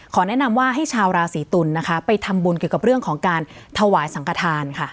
แนะนำว่าให้ชาวราศีตุลนะคะไปทำบุญเกี่ยวกับเรื่องของการถวายสังกฐานค่ะ